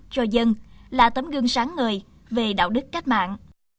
cho dân là tấm gương sáng ngời về đạo đức cách mạng